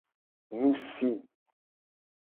Nu si.